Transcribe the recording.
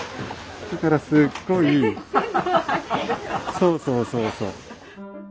そうそうそうそう。